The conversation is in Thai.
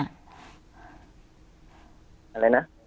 อะไรนะ